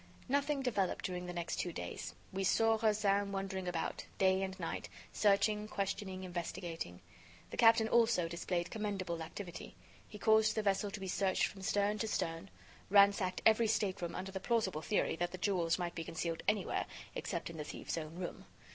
Nothing developed during the next two days. We saw Rozaine wandering about, day and night, searching, questioning, investigating. The captain, also, displayed commendable activity. He caused the vessel to be searched from stem to stern; ransacked every stateroom under the plausible theory that the jewels might be concealed anywhere, except in the thief's own room.